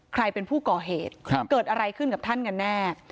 ใครเป็นผู้ก่อเหตุเกิดอะไรขึ้นกับท่านกันแน่